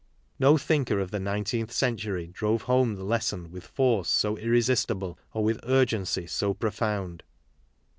No thinker of the nineteenth century drove home the lesson with force so irresistible or with urgency so profound.